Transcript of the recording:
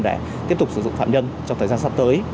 để tiếp tục sử dụng phạm nhân trong thời gian sắp tới